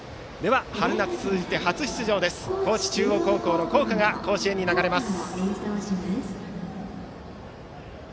春夏通じて初出場の高知中央高校の校歌が甲子園に流れます。